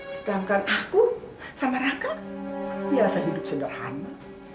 sedangkan aku sama raka biasa hidup sederhana